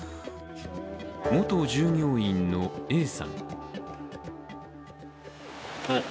元従業員のＡさん。